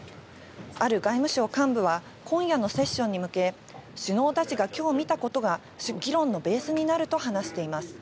ある外務省幹部は、今夜のセッションに向け、首脳たちがきょう見たことが議論のベースになると話しています。